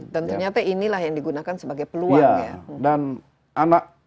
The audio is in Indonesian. dan ternyata inilah yang digunakan sebagai peluang